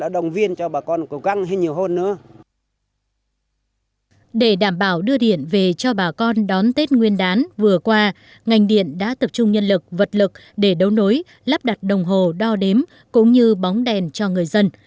để đảm bảo đưa điện về cho bà con đón tết nguyên đán vừa qua ngành điện đã tập trung nhân lực vật lực để đấu nối lắp đặt đồng hồ đo đếm cũng như bóng đèn cho người dân